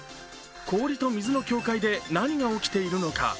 氷と氷の境界で何が起きているのか。